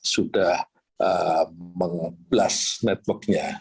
sudah meng blast networknya